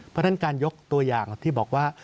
เพราะฉะนั้นการยกตัวอย่างที่บอกว่า